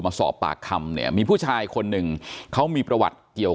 มาสอบปากคำเนี่ยมีผู้ชายคนหนึ่งเขามีประวัติเกี่ยว